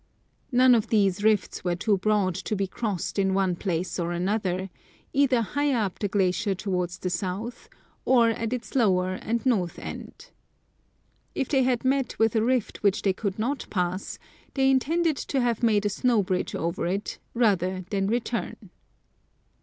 None of these rifts were too broad to be crossed in one place or another, either higher up the glacier towards the south, or at its lower and north end. If they had met with a rift which they could not pass, they intended to have made a snow bridge over it, rather than return.